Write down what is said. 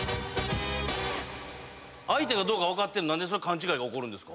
相手がどうか分かってんのに何で勘違いが起こるんですか？